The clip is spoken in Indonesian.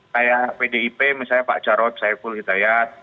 kayak pdip misalnya pak jarod saiful hidayat